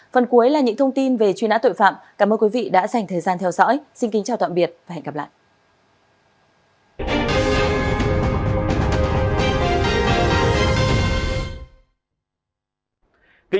phần cuối là những thông tin về truy nã tội phạm cảm ơn quý vị đã dành thời gian theo dõi xin kính chào tạm biệt và hẹn gặp lại